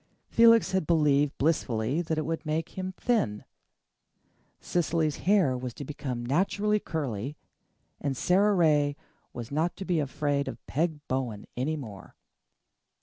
Felix had believed blissfully that it would make him thin. Cecily's hair was to become naturally curly, and Sara Ray was not to be afraid of Peg Bowen any more.